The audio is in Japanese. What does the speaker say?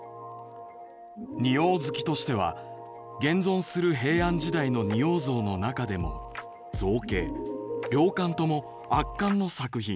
「仁王好きとしては現存する平安時代の仁王像の中でも造形量感とも圧巻の作品。